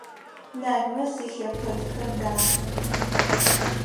Налмэс илъэпэдхэр дахэх.